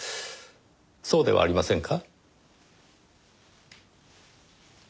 そうではありませんか？